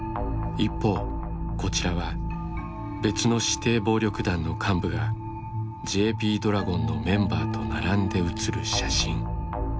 一方こちらは別の指定暴力団の幹部がＪＰドラゴンのメンバーと並んで写る写真。